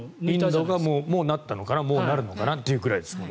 インドがもうなったのかななるのかなくらいですからね。